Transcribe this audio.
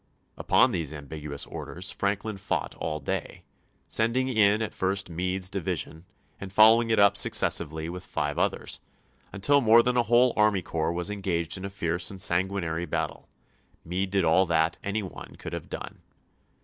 Upon these ambiguous orders Franklin fought all day, sending in at first Meade's division, and following it up successively with five others,^ until more than a whole army corps was engaged in a fierce and sanguinary battle. Meade did all that any one could have done.